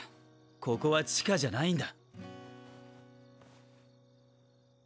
ここは地下じゃないんだ。